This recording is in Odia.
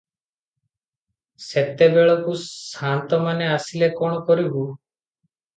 ସେତେବେଳକୁ ସାନ୍ତମାନେ ଆସିଲେ କଣ କରିବୁ?